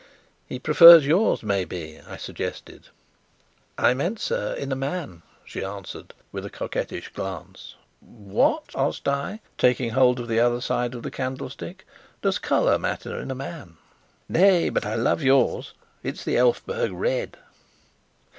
"He prefers yours, maybe?" I suggested. "I meant, sir, in a man," she answered, with a coquettish glance. "What," asked I, taking hold of the other side of the candlestick, "does colour matter in a man?" "Nay, but I love yours it's the Elphberg red."